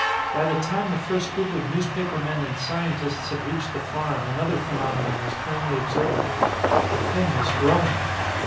By the time the first group of newspapermen and scientists had reached the farm, another phenomenon was plainly observable. The Thing was growing!